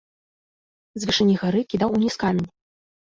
З вышыні гары кідаў уніз камень.